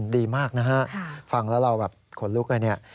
ดีมากนะฮะฟังแล้วเราแบบขนลุกเลยเนี่ย